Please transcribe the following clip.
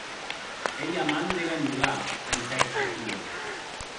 Ei a mand de ganholar, pensèc Sofia.